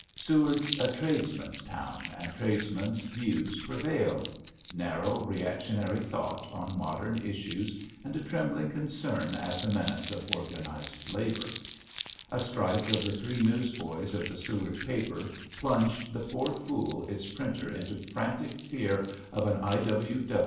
Seward's a tradesmen's town and tradesmen's views prevail, narrow reactionary thought on modern issues and a trembling concern at the menace of organized labor. A strike of the three newsboys of the Seward paper plunged the poor fool its printer into frantic fear of an I.